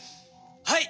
はい！